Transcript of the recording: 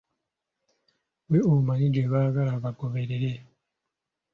Ggwe omanyi gye balaga bagoberere.